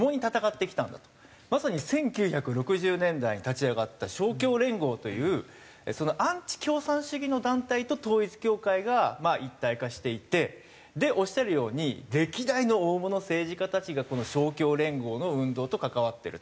まさに１９６０年代に立ち上がった勝共連合というアンチ共産主義の団体と統一教会が一体化していて。でおっしゃるように歴代の大物政治家たちがこの勝共連合の運動と関わってる。